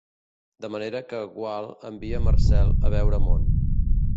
De manera que Gual envia Marcel a veure món.